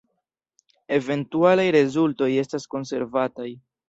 Eventualaj rezultoj estas konservataj.